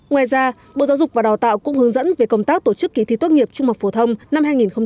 ngoài ra bộ giáo dục và đào tạo cũng hướng dẫn về công tác tổ chức kỳ thi tốt nghiệp trung học phổ thông năm hai nghìn hai mươi